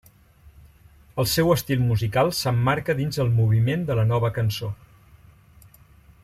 El seu estil musical s'emmarca dins el moviment de la Nova Cançó.